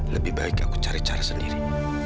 lebih baik aku cari cara sendiri